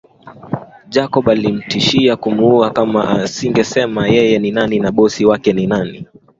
Jacob alimtishia kumuua kama asingesema yeye ni nani na bosi wake ni nani